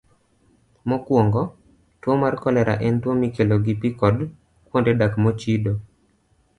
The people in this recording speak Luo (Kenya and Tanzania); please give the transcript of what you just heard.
Mokwongo, tuwo mar kolera en tuwo mikelo gi pi kod kuonde dak mochido.